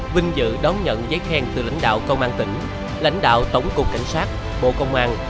vinh dự đón nhận giấy khen từ lãnh đạo công an tỉnh lãnh đạo tổng cục cảnh sát bộ công an